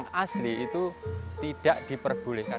dulu wayang beber yang tua tidak diperbolehkan